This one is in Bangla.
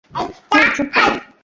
হেই, চুপ কর।